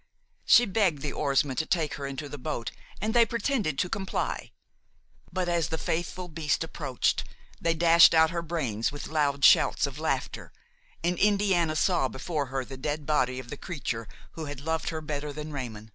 She begged the oarsmen to take her into the boat and they pretended to comply; but, as the faithful beast approached, they dashed out her brains with loud shouts of laughter, and Indiana saw before her the dead body of the creature who had loved her better than Raymon.